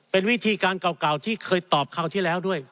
เป็นวิธีการเก่าที่เคยตอบคราวที่แล้วด้วย